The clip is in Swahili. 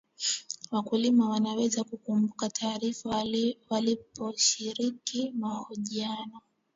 wakulima wanaweza kukumbuka taarifa wanaposhiriki mahojiano